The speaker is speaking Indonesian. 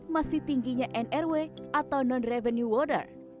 masih tingginya nrw atau non revenue water